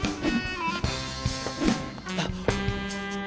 あっ！